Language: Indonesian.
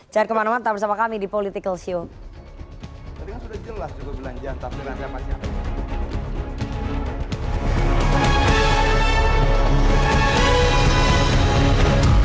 jangan kemana mana tetap bersama kami di political show